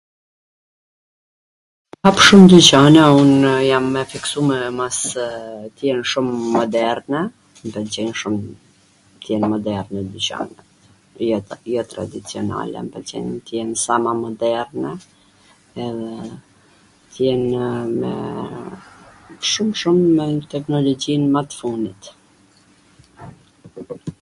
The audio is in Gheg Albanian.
Ka shum dyqane, un jam e fiksume masw tw jen shum moderne, mw pwlqen shum tw jen ma moderne dyqanet, jotradicionale, tw jen sa ma moderne dhe tw jenw shum shum me teknologjin ma t fundit.